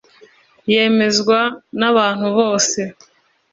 yemezwa n’abantu bose